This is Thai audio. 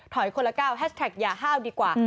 ถอยคนละก้าวแฮชแท็กอย่าห้าวดีกว่า